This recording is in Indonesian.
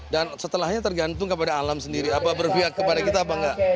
dan setelahnya tergantung kepada alam sendiri apa berfiak kepada kita apa enggak